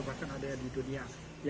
bahkan ada di dunia